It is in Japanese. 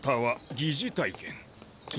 疑似体験？